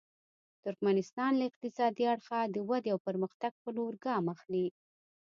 ترکمنستان له اقتصادي اړخه د ودې او پرمختګ په لور ګام اخلي.